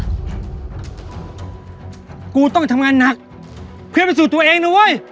กูต้องไปทำงานหนักเพื่อพิสูจน์ตัวเองนะเว้ย